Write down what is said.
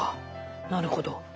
なるほど。